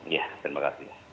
ya terima kasih